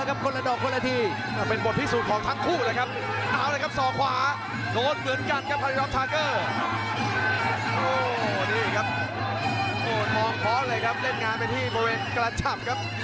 นี่ครับโอ้ทองค้อนเลยครับเล่นงานไปที่บริเวณกระฉับครับ